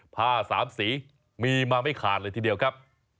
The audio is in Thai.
ผ้าสามสีมีมาไม่ขาดเลยทีเดียวครับ